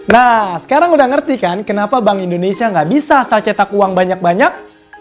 nah sekarang udah ngerti kan kenapa bank indonesia nggak bisa saya cetak uang banyak banyak